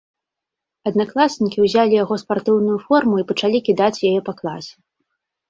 Аднакласнікі ўзялі яго спартыўную форму і пачалі кідаць яе па класе.